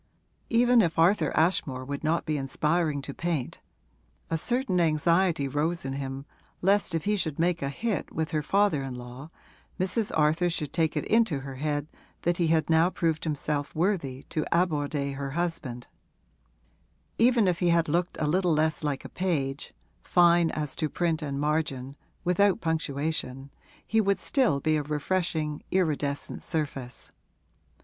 Even if Arthur Ashmore would not be inspiring to paint (a certain anxiety rose in him lest if he should make a hit with her father in law Mrs. Arthur should take it into her head that he had now proved himself worthy to aborder her husband); even if he had looked a little less like a page (fine as to print and margin) without punctuation, he would still be a refreshing, iridescent surface.